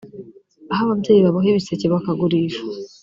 aho ababyeyi baboha ibiseke bakagurisha